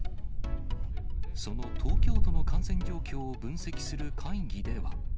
その東京都の感染状況を分析する会議では。